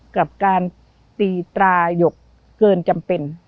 กับการตีตราหยกเกินจำเป็น